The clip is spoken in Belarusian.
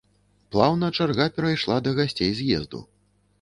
Плаўна чарга перайшла да гасцей з'езду.